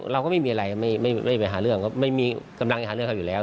เราก็ไม่มีอะไรไม่ไปหาเรื่องเขาไม่มีกำลังจะหาเรื่องเขาอยู่แล้ว